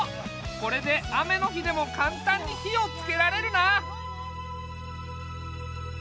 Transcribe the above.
これで雨の日でもかんたんに火をつけられるな！